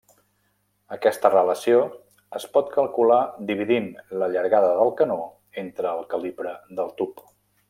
Aquesta relació es pot calcular dividint la llargada del canó entre el calibre del tub.